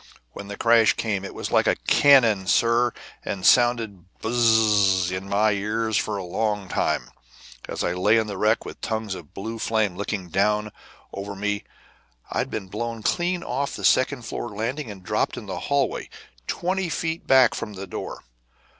when the crash came. It was like cannon, sir, and sounded bzzzzzzzz in my ears for a long time, as I lay in the wreck, with tongues of blue flames licking down over me. I'd been blown clean off the second floor landing and dropped in the hallway, twenty feet back from the door.